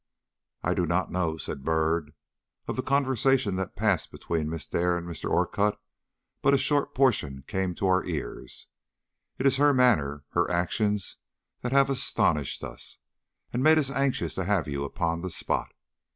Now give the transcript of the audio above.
"I do not know," said Byrd. "Of the conversation that passed between Miss Dare and Mr. Orcutt, but a short portion came to our ears. It is her manner, her actions, that have astonished us, and made us anxious to have you upon the spot."